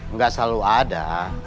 nggak selalu ada